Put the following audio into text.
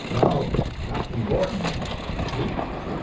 no; Captain Gordon." "Who?"